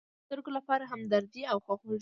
د سترگو لپاره همدردي او خواخوږي.